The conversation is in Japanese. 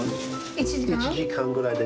１時間ぐらいで。